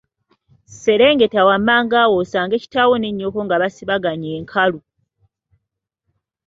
Serengeta wammanga awo osange kitaawo ne nnyoko nga basibaganye enkalu.